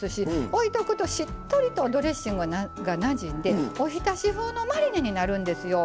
おいとくとしっとりとドレッシングがなじんでおひたし風のマリネになるんですよ。